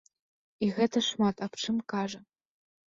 І гэта шмат аб чым кажа.